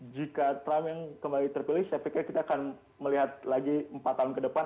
jika trump yang kembali terpilih saya pikir kita akan melihat lagi empat tahun ke depan